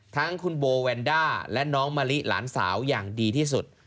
ทั้งคุณโบแวนด้าและน้องมะลิหลานสาวอย่างดีที่สุด